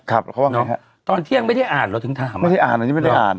เขาว่าไงฮะตอนเที่ยงไม่ได้อ่านเราถึงถามไม่ได้อ่านอันนี้ไม่ได้อ่าน